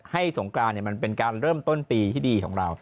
สงกรานมันเป็นการเริ่มต้นปีที่ดีของเรา